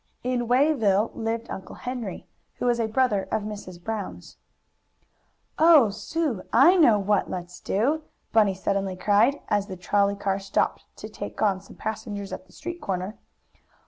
In Wayville lived Uncle Henry, who was a brother of Mrs. Brown's. "Oh, Sue! I know what let's do!" Bunny suddenly cried, as the trolley car stopped to take on some passengers at the street corner.